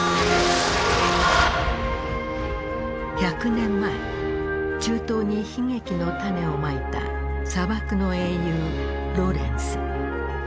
１００年前中東に悲劇の種をまいた砂漠の英雄ロレンス。